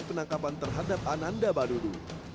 penangkapan terhadap ananda badudu